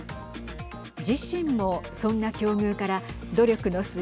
自身も、そんな境遇から努力の末